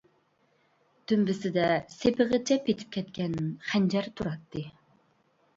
دۈمبىسىدە سېپىغىچە پېتىپ كەتكەن خەنجەر تۇراتتى.